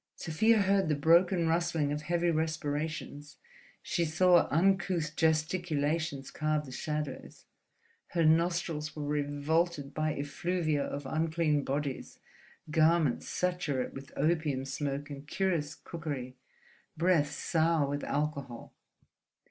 Sofia heard the broken rustling of heavy respirations; she saw uncouth gesticulations carve the shadows; her nostrils were revolted by effluvia of unclean bodies, garments saturate with opium smoke and curious cookery, breaths sour with alcohol.